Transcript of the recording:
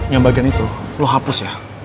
yang bagian itu lo hapus ya